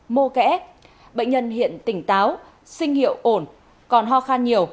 mô kẽ bệnh nhân hiện tỉnh táo sinh hiệu ổn còn ho khan nhiều